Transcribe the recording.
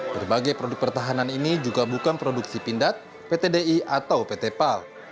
berbagai produk pertahanan ini juga bukan produksi pindat ptdi atau pt pal